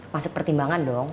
masuk pertimbangan dong